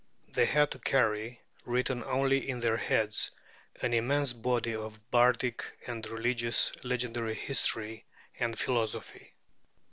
They had to carry, written only in their heads, an immense body of bardic and religious legendary history and philosophy.